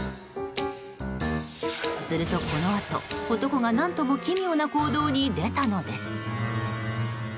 すると、このあと男が何とも奇妙な行動に出たのです。